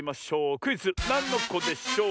クイズ「なんのこでショー」